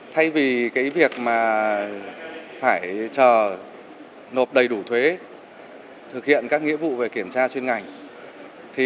thay vì việc mà phải chờ nộp đầy đủ thuế thực hiện các nghĩa vụ về kiểm tra chuyên ngành